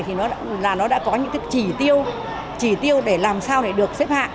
thì nó đã có những cái chỉ tiêu chỉ tiêu để làm sao để được xếp hạng